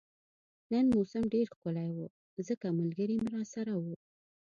نن موسم ډیر ښکلی وو ځکه ملګري مې راسره وو